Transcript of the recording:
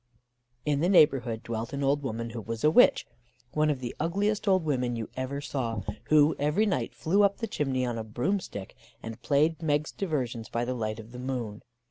"In the neighbourhood dwelt an old woman, who was a witch one of the ugliest old women you ever saw, who every night flew up the chimney on a broom stick, and played Meg's diversions by the light of the moon.